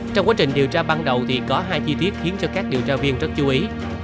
trong quá trình điều tra ban đầu thì có hai chi tiết khiến cho các điều tra viên rất chú ý